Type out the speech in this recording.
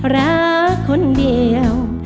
รักคนเดียว